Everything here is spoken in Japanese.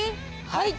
はい！